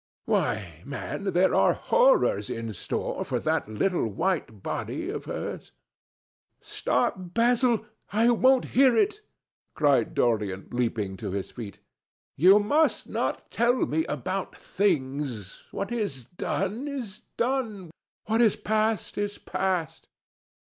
Why, man, there are horrors in store for that little white body of hers!" "Stop, Basil! I won't hear it!" cried Dorian, leaping to his feet. "You must not tell me about things. What is done is done. What is past is past."